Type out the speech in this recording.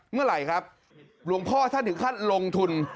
เมื่อไหร่ครับหลวงพ่อท่านถึงขั้นลงทุน